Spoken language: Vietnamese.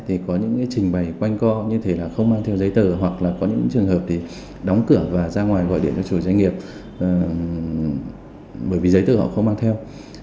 thì có những trình bày quanh co như thế là không mang theo giấy tờ hoặc là có những trường hợp thì đóng cửa và ra ngoài gọi điện cho chủ doanh nghiệp bởi vì giấy tờ họ không mang theo